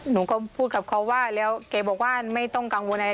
หนูก็พูดกับเขาว่าแล้วแกบอกว่าไม่ต้องกังวลอะไร